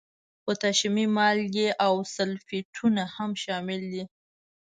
پوتاشیمي مالګې او سلفیټونه هم شامل دي.